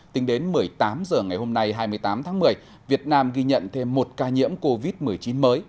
tính đến một mươi tám h ngày hôm nay hai mươi tám tháng một mươi việt nam ghi nhận thêm một ca nhiễm covid một mươi chín mới